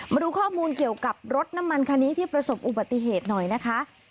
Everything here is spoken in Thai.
มาดูข้อมูลเกี่ยวกับรถน้ำมันคันนี้ที่ประสบอุบัติเหตุหน่อยนะคะ